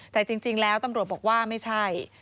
แต่จริงแล้วตำรวจบอกว่าไม่ใช่